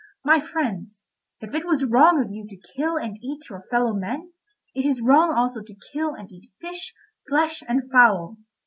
My friends, if it was wrong of you to kill and eat your fellow men, it is wrong also to kill and eat fish, flesh, and fowl.